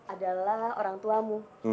adalah orang tuamu